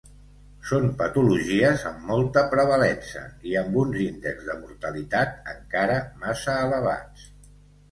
Són patologies amb molta prevalença i amb uns índexs de mortalitat encara massa elevats.